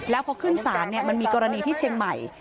แล้วพอขึ้นศาลมันมีกรณีที่เชียงใหม่